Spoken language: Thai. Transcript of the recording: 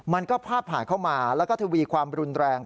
มันก็พาดผ่านเข้ามาแล้วก็ทวีความรุนแรง